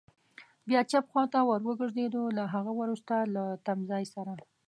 بیا چپ خوا ته ور وګرځېدو، له هغه وروسته له تمځای سره.